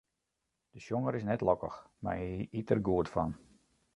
De sjonger is net lokkich, mar hy yt der goed fan.